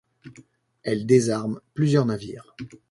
Elle désarme plusieurs navires.